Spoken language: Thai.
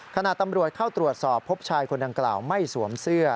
ขณะตำรวจเข้าตรวจสอบพบชายคนดังกล่าวไม่สวมเสื้อ